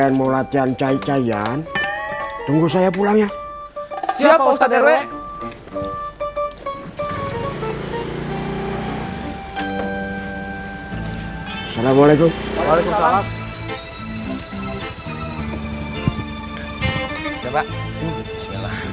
assalamualaikum warahmatullahi wabarakatuh